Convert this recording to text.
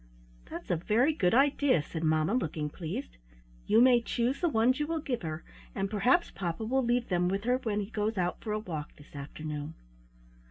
"That's a very good idea," said mamma, looking pleased. "You may choose the ones you will give her, and perhaps papa will leave them with her when he goes out for a walk this afternoon."